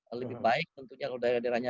lebih baik tentunya kalau daerah daerahnya